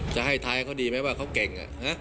จะให้ไทยเขาดีแม้ว่าเขาเก่ง